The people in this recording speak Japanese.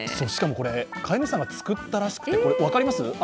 しかもこれ、飼い主さんが作ったらしくて、分かります？